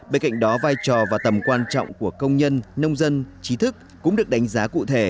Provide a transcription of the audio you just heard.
bên cạnh đó vai trò và tầm quan trọng của công nhân nông dân trí thức cũng được đánh giá cụ thể